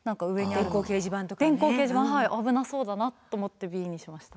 電光掲示板はい危なそうだなと思ってＢにしました。